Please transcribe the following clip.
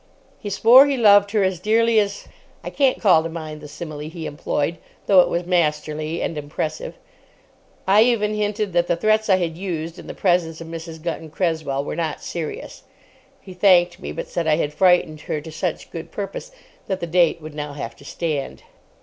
He swore he loved her as dearly as—(I can't call to mind the simile he employed, though it was masterly and impressive.) I even hinted that the threats I had used in the presence of Mrs. Gunton Cresswell were not serious. He thanked me, but said I had frightened her to such good purpose that the date would now have to stand.